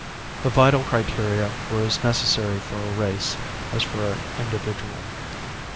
The vital criteria were as necessary for a race as for an individual.